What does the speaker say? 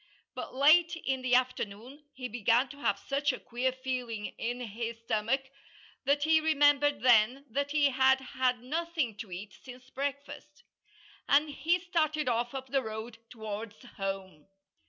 But late in the afternoon he began to have such a queer feeling in his stomach that he remembered then that he had had nothing to eat since breakfast. And he started off up the road, towards home.